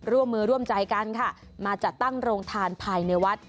ร่วมมือร่วมใจกันค่ะมาจัดตั้งโรงทานภายในวัด